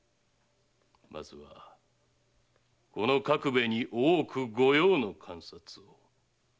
まずはこの覚兵衛に大奥御用の鑑札を。